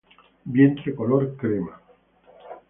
Vientre color crema.